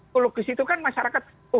kalau di situ masyarakat